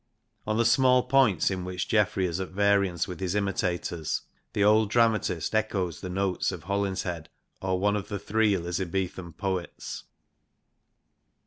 On the small points in which Geoffrey is at variance with his imitators, the old dramatist echoes the notes of Holinshed or one of the three Elizabethan poets.